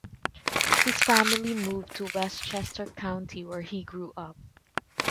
His family moved to Westchester County, where he grew up.